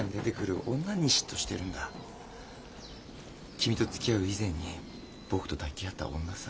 君とつきあう以前に僕と抱き合った女さ。